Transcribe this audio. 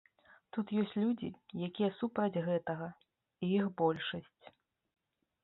Тут ёсць людзі, якія супраць гэтага, і іх большасць.